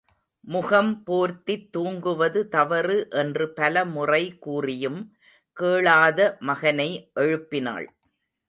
முகம் போர்த்தித் தூங்குவது தவறு என்று பல முறை கூறியும் கேளாத மகனை எழுப்பினாள்.